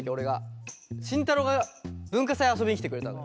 慎太郎が文化祭遊びに来てくれたの。